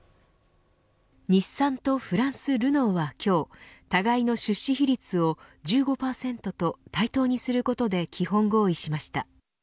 日産とフランス、ルノーは今日互いの出資比率を１５％と対等にすることで基本合意しました。